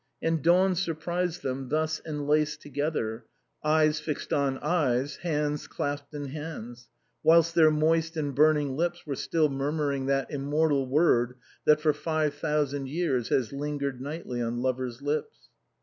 And dawn surprised them thus enlaced to gether — eyes fixed on eyes, hands clasped in hands — whilst their moist and burning lips were still murmuring that immortal word " that for five thousand years has lingered nightly on lovers' lips."